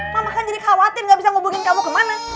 mama kan jadi khawatir gak bisa hubungin kamu kemana